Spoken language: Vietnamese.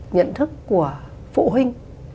nhận thức của phụ huynh